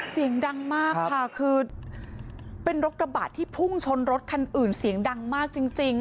เสียงดังมากค่ะคือเป็นรถกระบะที่พุ่งชนรถคันอื่นเสียงดังมากจริง